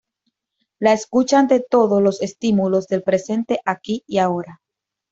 La escucha ante todos los estímulos, del presente, aquí y ahora.